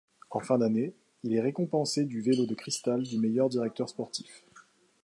En fin d'année, il est récompensé du Vélo de cristal du meilleur directeur sportif.